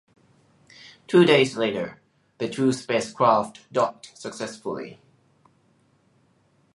Two days later, the two spacecraft docked successfully.